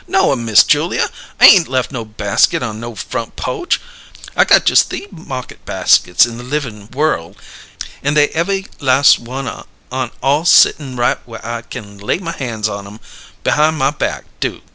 "No'm, Miss Julia, I ain' lef no baskit on no front po'che! I got jus' th'ee markit baskits in the livin' worl' an' they ev'y las' one an' all sittin' right where I kin lay my han's on 'em behime my back do'.